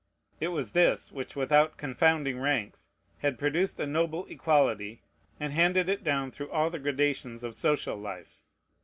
It was this, which, without confounding ranks, had produced a noble equality, and handed it down through all the gradations of social life.